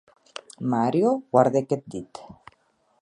Mario guardèc eth dit.